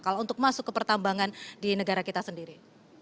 kalau untuk masuk ke pertambangan di negara kita sendiri